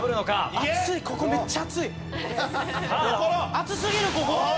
アツすぎるここ！